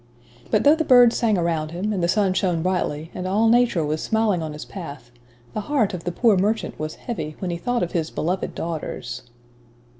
But though the birds sang around him, and the sun shone brightly, and all nature was smiling on his path, the heart of the poor merchant was heavy, when he thought of his beloved daughters.